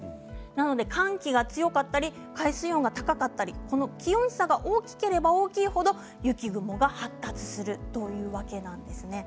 寒気が強かったり海水温が高かったり気温差が大きければ大きい程雪雲が発達するというわけなんです。